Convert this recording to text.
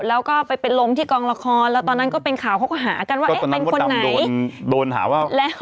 แล้วก็ไปล้มที่กองละครแล้วตอนนั้นก็เป็นข่าวเขาก็หากันว่าเป็นคนไหน